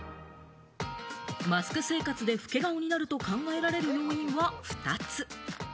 マスク生活で老け顔になると考えられる要因は２つ。